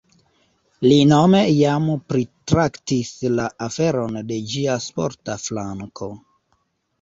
Li nome jam pritraktis la aferon de ĝia sporta flanko.